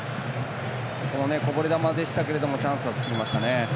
こぼれ球でしたがチャンスは作りましたね。